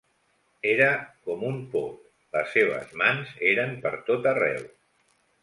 Era com un pop, les seves mans eren per tot arreu.